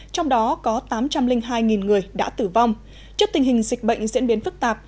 trong đó có tám trăm linh hai người đã tử vong trước tình hình dịch bệnh diễn biến phức tạp